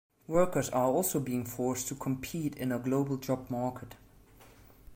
Workers are also being forced to compete in a global job market.